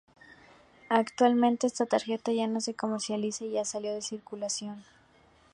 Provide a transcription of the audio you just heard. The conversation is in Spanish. Actualmente esta tarjeta ya no se comercializa y ya salió de circulación.